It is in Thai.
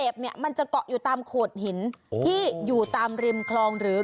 เป็นช่วงที่น้ำลง